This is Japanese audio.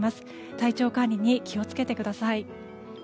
体調管理に気を付けてください。